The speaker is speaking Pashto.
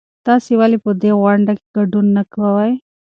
تاسې ولې په دې غونډه کې ګډون نه کوئ؟